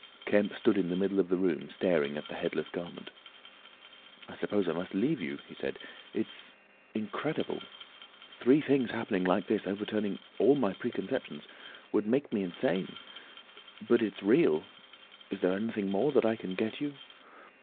Kemp stood in the middle of the room staring at the headless garment. "I suppose I must leave you," he said. "It's—incredible. Three things happening like this, overturning all my preconceptions—would make me insane. But it's real! Is there anything more that I can get you?"